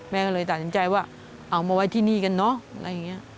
แม่ก็เลยตัดสินใจว่าเอามาไว้ที่นี่กันเนอะอะไรอย่างนี้